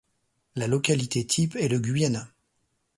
La localité type est le Guyana.